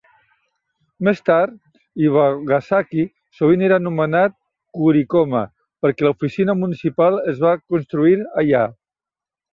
Més tard Iwagasaki sovint era anomenat Kurikoma perquè l'oficina municipal es va construir allà.